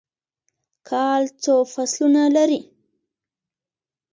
کال څو فصلونه لري؟